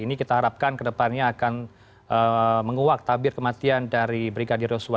ini kita harapkan ke depannya akan menguak tabir kematian dari brigadir usua